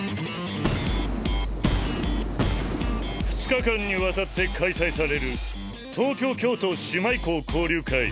２日間にわたって開催される東京・京都姉妹校交流会。